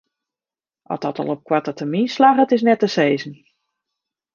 Oft dat al op koarte termyn slagget is net te sizzen.